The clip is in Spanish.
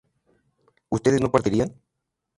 ¿Ustedes no partirían?